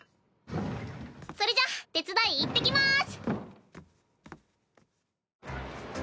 それじゃ手伝い行ってきます！